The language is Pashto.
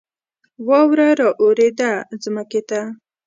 واوره را اوورېده ځمکې ته